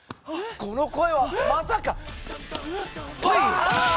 この声は、まさか！